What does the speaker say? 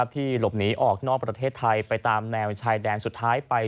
ที่หลบหนีออกนอกประเทศไทยไปตามแนวชายแดนสุดท้ายไป